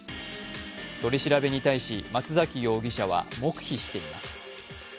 取り調べに対し松崎容疑者は黙秘しています。